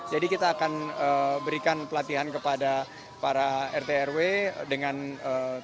jadi kita akan berikan pelatihan kepada para rtrw dengan terima